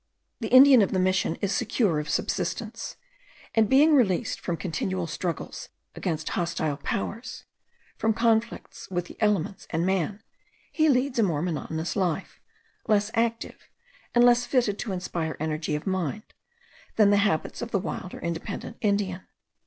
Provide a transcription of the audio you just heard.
The Indian of the Mission is secure of subsistence; and being released from continual struggles against hostile powers, from conflicts with the elements and man, he leads a more monotonous life, less active, and less fitted to inspire energy of mind, than the habits of the wild or independent Indian.